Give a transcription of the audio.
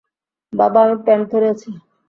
বাবা, আমি প্যান্ট ধরে আছি!